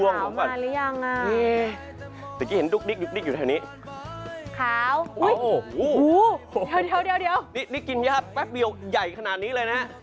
นี่กินแป๊บเดียวใหญ่ขนาดนี้เลยนะ